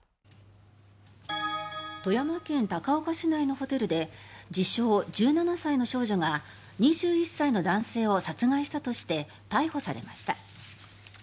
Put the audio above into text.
富山県高岡市内のホテルで自称・１７歳の少女が２１歳の男性を殺害したとして逮捕されました。